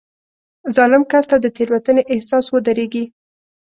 ظالم کس ته د تېروتنې احساس ودرېږي.